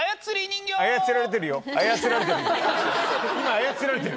今操られてる。